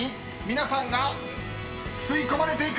［皆さんが吸い込まれていく！］